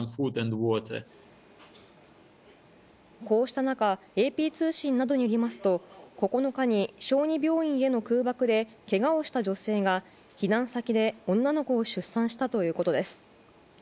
こうした中ＡＰ通信などによりますと９日に小児病院への空爆でけがをした女性が避難先で女の子を出産したということです。